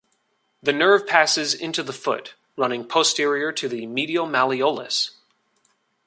The nerve passes into the foot running posterior to the medial malleolus.